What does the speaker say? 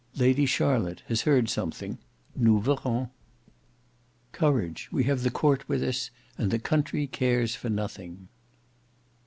Lady Charlotte has heard something; nous verrons." "Courage; we have the Court with us, and the Country cares for nothing."